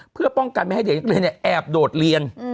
เพื่อป้องกันไม่ให้เด็กนักเรียนแอบโดดเรียน